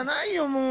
もう。